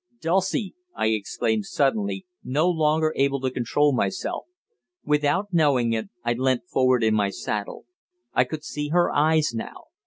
"Dulcie!" I exclaimed suddenly, no longer able to control myself. Without knowing it I leant forward in my saddle. I could see her eyes, now.